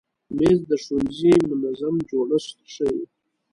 مېز د ښوونځي منظم جوړښت ښیي.